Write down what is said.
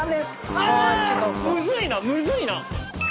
むずいなむずいな。